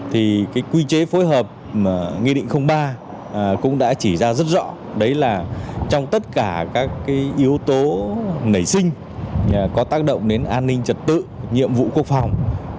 thì cái quy chế phối hợp mà nghị định ba cũng đã chỉ ra rất rõ đấy là trong tất cả các yếu tố nảy sinh có tác động đến an ninh trật tự nhiệm vụ quốc phòng